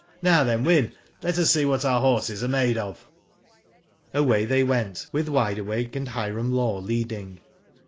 Now then, Wyn, let us see what our horses are made of." Away they went, with Wide Awake and Hiram Law leading.